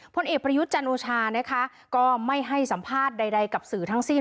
พลเอกประยุทธ์จันโอชานะคะก็ไม่ให้สัมภาษณ์ใดกับสื่อทั้งสิ้น